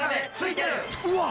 うわっ！